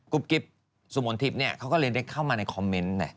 กิ๊บสุมนทิพย์เนี่ยเขาก็เลยได้เข้ามาในคอมเมนต์ไง